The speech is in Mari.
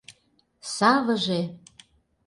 Савыже!